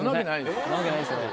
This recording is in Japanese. んなわけないですよね。